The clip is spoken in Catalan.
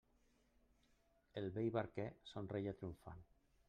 El vell barquer somreia triomfant.